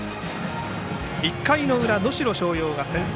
１回裏、能代松陽が先制。